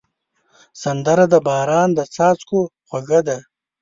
سندره د باران د څاڅکو خوږه ده